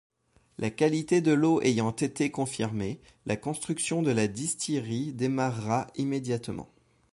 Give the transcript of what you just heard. La qualité de l'eau ayant été confirmée, la construction de la distillerie démarra immédiatement.